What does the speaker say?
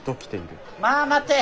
まぁ待て。